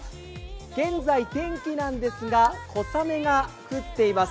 現在、天気なんですが、小雨が降っています。